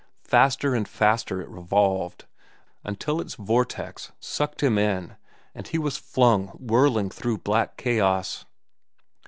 Faster and faster it revolved, until its vortex sucked him in and he was flung whirling through black chaos.